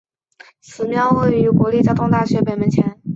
此庙位于国立交通大学北大门前。